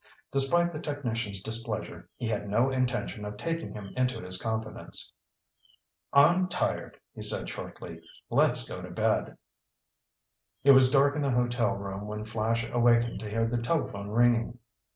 Despite the technician's displeasure, he had no intention of taking him into his confidence. "I'm tired," he said shortly. "Let's go to bed." It was dark in the hotel room when Flash awakened to hear the telephone ringing.